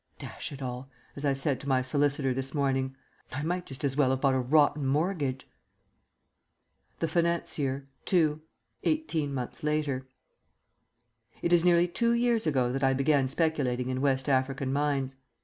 "Dash it all," as I said to my solicitor this morning, "I might just as well have bought a rotten mortgage." THE FINANCIER. II (Eighteen months later) It is nearly two years ago that I began speculating in West African mines.